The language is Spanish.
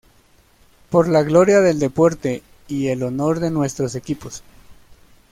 Por la gloria del deporte y el honor de nuestros equipos.